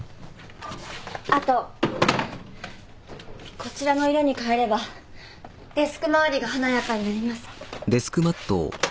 あとこちらの色に変えればデスク周りが華やかになります。